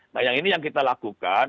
nah yang ini yang kita lakukan